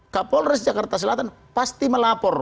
kapolres jakarta selatan pasti melapor